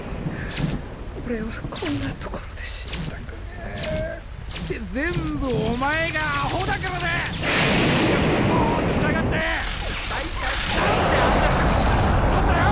俺はこんなところで死にたくねえて全部お前がアホだからだ写真なんか見てボーッとしやがって大体何であんなタクシーなんか乗ったんだよ